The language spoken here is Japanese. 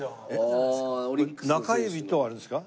中指とあれですか？